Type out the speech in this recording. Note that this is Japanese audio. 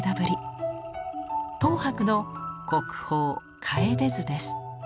等伯の国宝「楓図」です。